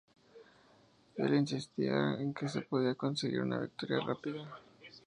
Él insistía en que se podía conseguir una victoria rápida.